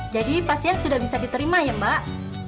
jadi pasien sudah bisa diterima ya mbak